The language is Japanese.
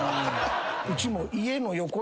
うちも。